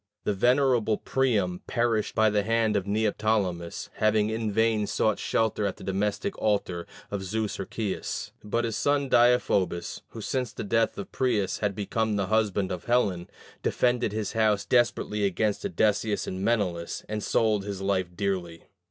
The venerable Priam perished by the hand of Neoptolemus, having in vain sought shelter at the domestic altar of Zeus Herceius. But his son Deiphobus, who since the death of Paris had become the husband of Helen, defended his house desperately against Odysseus and Menelaus, and sold his life dearly.